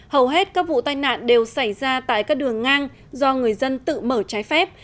hầu hết các vụ tai nạn đều xảy ra tại các đường ngang do người dân tự mở trái phép